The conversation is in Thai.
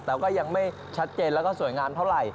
แต่ก็ยังไม่ชัดเจนแล้วก็สวยงามเท่าไหร่